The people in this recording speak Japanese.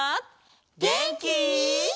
げんき？